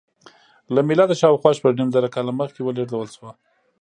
له میلاده شاوخوا شپږ نیم زره کاله مخکې ولېږدول شوه.